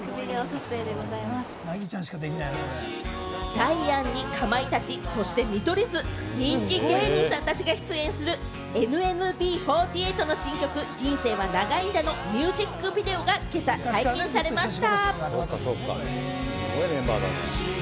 ダイアンに、かまいたち、そして見取り図、人気芸人さんたちが出演する、ＮＭＢ４８の新曲『人生は長いんだ』のミュージックビデオが今朝解禁されました。